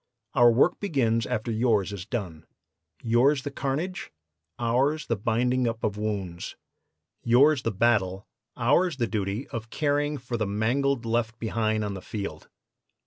Our work begins after yours is done. Yours the carnage, ours the binding up of wounds. Yours the battle, ours the duty of caring for the mangled left behind on the field.